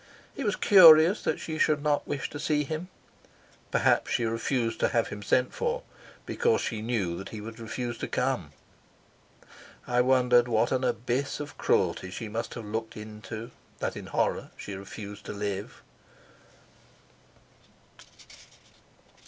It was curious that she should not wish to see him. Perhaps she refused to have him sent for because she knew he would refuse to come. I wondered what an abyss of cruelty she must have looked into that in horror she refused to live.